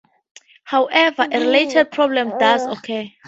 However, a related problem does occur.